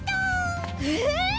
え⁉